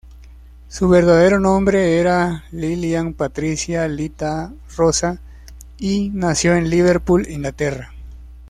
Su verdadero nombre era Lilian Patricia Lita Roza, y nació en Liverpool, Inglaterra.